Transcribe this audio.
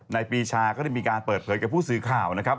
ปีชาก็ได้มีการเปิดเผยกับผู้สื่อข่าวนะครับ